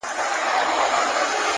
خپل فکرونه د عمل لور ته بوځئ,